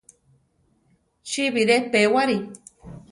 Chi bire pewari.